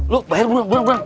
lo bayar duluan duluan duluan